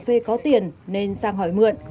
cà phê có tiền nên sang hỏi mượn